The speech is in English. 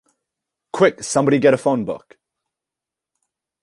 Quick, somebody get a phone book.